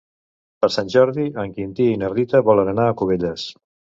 Per Sant Jordi en Quintí i na Rita volen anar a Cubelles.